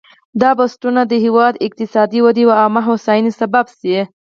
دا بنسټونه د هېواد اقتصادي ودې او عامه هوساینې سبب شي.